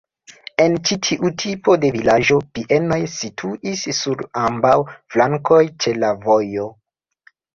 En ĉi tiu tipo de vilaĝo bienoj situis sur ambaŭ flankoj ĉe la vojo.